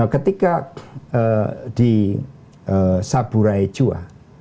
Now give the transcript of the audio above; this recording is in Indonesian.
ketika di saburai jua